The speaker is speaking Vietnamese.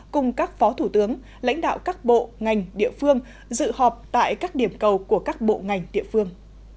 cùng các phó thủ tướng lãnh đạo các bộ ngành địa phương dự họp tại các điểm cầu của các bộ ngành địa phương